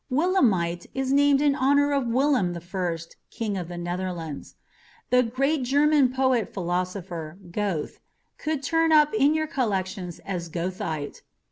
Willemite was named in honor of Willem I, King of the Netherlands. The great German poet philosopher, Goethe, could turn up in your collection as goethite.